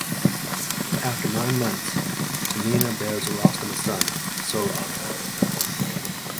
After nine months, Tahmina bears Rostam a son, Sohrab.